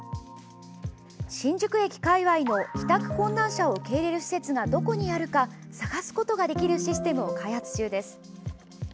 新宿駅界隈の帰宅困難者を受け入れる施設がどこにあるか探すことができるシステムを開発中です。